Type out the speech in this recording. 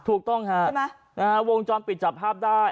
ถูกต้องฮะใช่ไหมวงจรปิดจับภาพได้